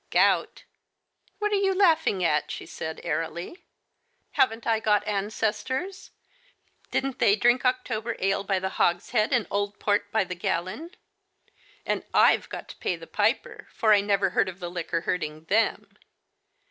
" Gout. What are you laughing at ?" she said airily; "haven't I got ancestors? Didn't they drink October ale by the hogshead, and old port by the gallon? And I've got to pay the piper, for I never heard of the liquor hurting them.